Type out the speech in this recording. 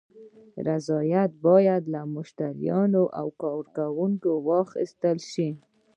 رضایت باید له مشتریانو او کارکوونکو واخیستل شي.